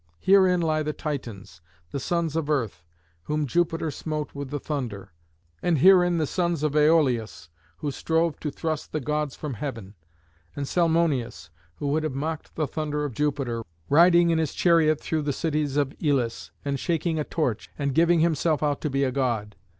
Herein lie the Titans, the sons of Earth, whom Jupiter smote with the thunder; and herein the sons of Aloeus, who strove to thrust the Gods from heaven; and Salmoneus, who would have mocked the thunder of Jupiter, riding in his chariot through the cities of Elis, and shaking a torch, and giving himself out to be a god.